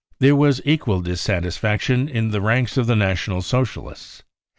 There was equal dissatisfaction in the ranks of the National Socialists.